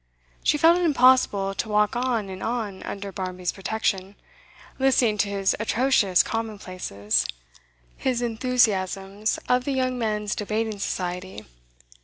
She felt it impossible to walk on and on under Barmby's protection, listening to his atrocious commonplaces, his enthusiasms of the Young Men's Debating Society.